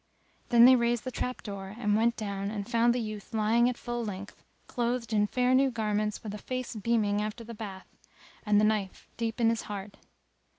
[FN#277] Then they raised the trap door and went down and found the youth lying at full length, clothed in fair new garments, with a face beaming after the bath, and the knife deep in his heart.